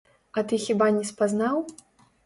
А ты хіба не спазнаў?